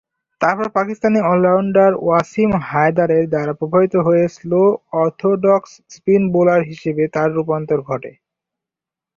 তারপর পাকিস্তানি অলরাউন্ডার ওয়াসিম হায়দারের দ্বারা প্রভাবিত হয়ে স্লো অর্থোডক্স স্পিন বোলার হিসাবে তার রূপান্তর ঘটে।